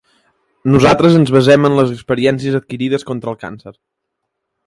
Nosaltres ens basem en les experiències adquirides contra el càncer.